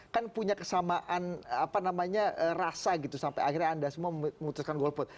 kan punya kesamaan apa namanya rasa gitu sampai akhirnya anda semua memutuskan golput